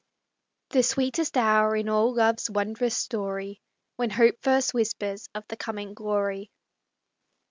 The sweetest hour in all love's wondrous story, When Hope first whispers of the coming glory.